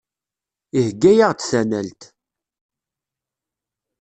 Iheyya-aɣ-d tanalt.